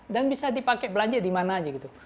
dan bisa dipakai belanja dimana aja gitu